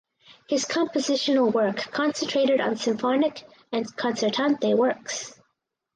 His compositional work concentrated on symphonic and concertante works.